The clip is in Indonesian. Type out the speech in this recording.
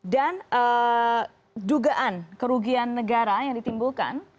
dan dugaan kerugian negara yang ditimbulkan